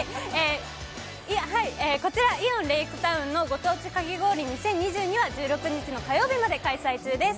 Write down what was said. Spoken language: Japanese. こちら、イオンレイクタウンのご当地かき氷祭２０２２は１６日の火曜日まで開催中です。